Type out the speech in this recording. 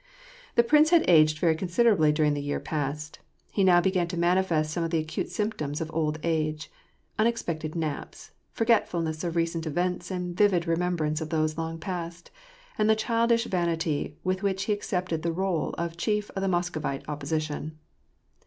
The prince had aged very considerably during the year past. He now began to manifest some of the acute symptoms of old age : unexpected naps, forgetfulness of recent events and vivid remembrance of those lone past, and the childish vanity with which he accepted the role of chief of the Moscovite opposition.